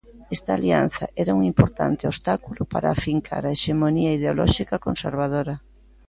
Esta alianza era un importante obstáculo para afincar a hexemonía ideolóxica conservadora.